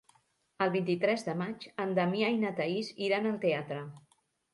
El vint-i-tres de maig en Damià i na Thaís iran al teatre.